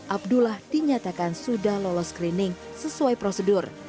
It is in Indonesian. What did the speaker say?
abdullah dinyatakan sudah lolos screening sesuai prosedur